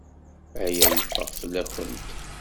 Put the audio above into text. Aya yeffeɣ fell-awent.